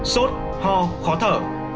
sốt ho khó thở